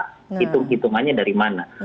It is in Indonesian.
hitung hitungannya dari mana